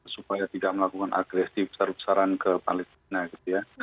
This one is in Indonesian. supaya tidak melakukan agresi besar besaran ke palestina gitu ya